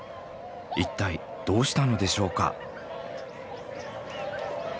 一体どうしたのでしょうか？